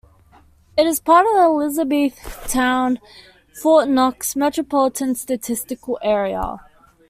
It is part of the Elizabethtown-Fort Knox Metropolitan Statistical Area.